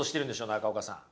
中岡さん。